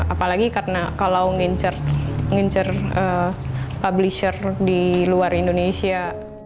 apalagi karena kalau ngincar publisher di luar indonesia